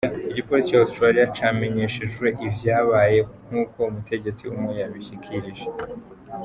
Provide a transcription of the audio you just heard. Igipolisi ca Australia camenyeshejwe ivyabaye, nkuko umutegetsi umwe yabishikirije.